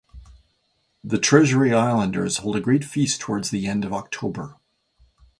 The Treasury Islanders hold a great feast towards the end of October.